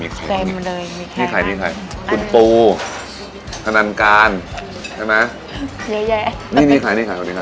ไม่ไงไม่ไงนี่ใครนี่ใครทนนี้ค่ะอันนี้เขามาทานเนี้ย